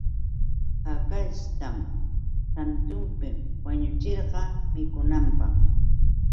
Hakashtam santunpi wañuchirqa mikunanpaq.